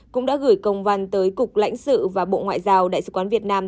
cũng đã gửi công văn tới cục lãnh sự và bộ ngoại giao đại sứ quán việt nam